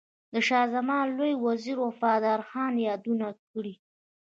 د شاه زمان لوی وزیر وفادار خان یادونه کړې.